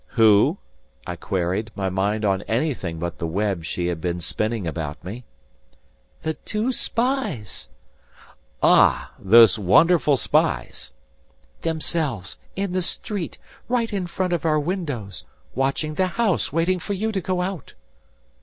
"Who?" I queried, my mind on anything but the web she had been spinning about me. "The two spies!" "Ah, those wonderful spies!" "Themselves! In the street! Right in front of our windows! Watching the house, waiting for you to go out."